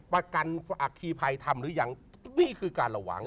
ประกันอัคคีภัยทำหรือยังนี่คือการระวัง